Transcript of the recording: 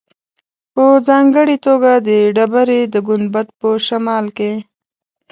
په ځانګړې توګه د ډبرې د ګنبد په شمال کې.